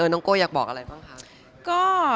น้องโก้อยากบอกอะไรบ้างคะ